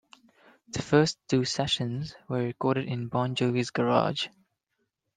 The first two sessions were recorded in Bon Jovi's garage.